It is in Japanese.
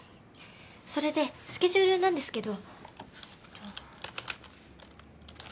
それでスケジュールなんですけど。